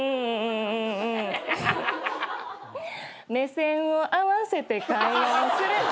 目線を合わせて会話をする。